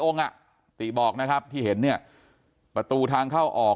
อ่ะติบอกนะครับที่เห็นเนี่ยประตูทางเข้าออก